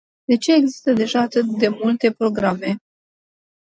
De ce există deja atât de multe programe?